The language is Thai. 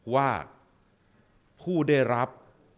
ว่าผู้ได้รับ